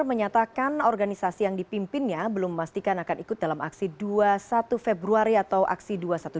menyatakan organisasi yang dipimpinnya belum memastikan akan ikut dalam aksi dua puluh satu februari atau aksi dua ratus dua belas